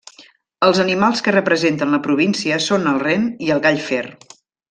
Els animals que representen la província són el ren i el gall fer.